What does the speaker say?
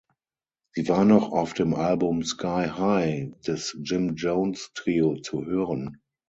Sie war noch auf dem Album "Sky High" des Jim Jones Trio zu hören.